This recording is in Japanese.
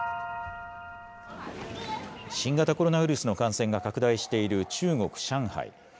新型コロナウイルスの感染が拡大している中国・上海。